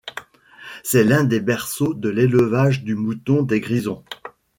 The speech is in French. C'est l'un des berceaux de l'élevage du mouton des Grisons.